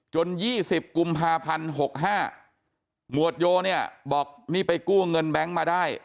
๒๐กุมภาพันธ์๖๕หมวดโยเนี่ยบอกนี่ไปกู้เงินแบงค์มาได้